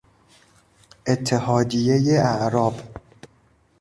اتحادیهی اعراب